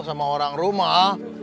sama orang rumah